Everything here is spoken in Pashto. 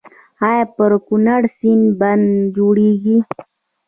آیا پر کنړ سیند بند جوړیږي؟